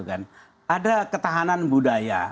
ada ketahanan budaya